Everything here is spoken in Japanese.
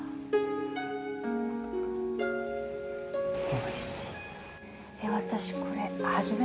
おいしい。